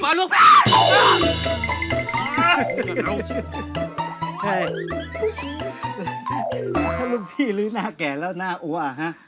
ถ้าลูกพี่ลื้อน่าแก่แล้วน่าดวกว่าฮะ